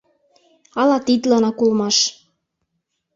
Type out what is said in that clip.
Ала тидланак улмаш.